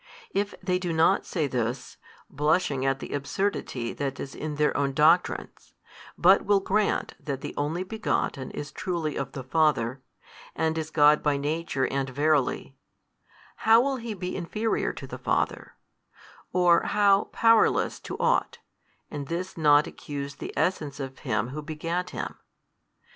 If they do not say this, blushing at the absurdity that is in their own doctrines, but will grant that the Only Begotten is truly of the Father, and is God by Nature and Verily: how will He be inferior to the Father, or how powerless to ought, and this not accuse the Essence of Him Who begat Him?